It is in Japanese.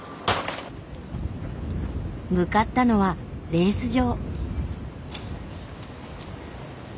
向かったのはレース場。